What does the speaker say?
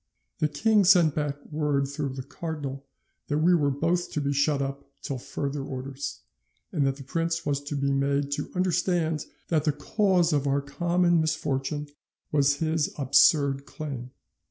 The king sent back word through the cardinal that we were both to be shut up till further orders, and that the prince was to be made to understand that the cause of our common misfortune was his absurd claim.